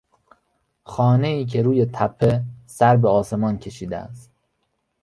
خانهای که روی تپه سربه آسمان کشیده است